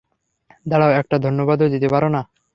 দাঁড়াও, একটা ধন্যবাদও দিতে পারো না?